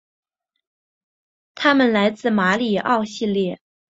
他们来自马里奥系列。